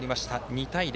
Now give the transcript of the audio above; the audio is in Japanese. ２対０。